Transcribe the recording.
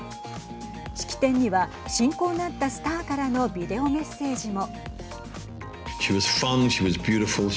式典には親交のあったスターからのビデオメッセージも。